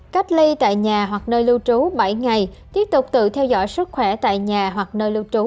cách ly tại nhà hoặc nơi lưu trú bảy ngày tiếp tục tự theo dõi sức khỏe tại nhà hoặc nơi lưu trú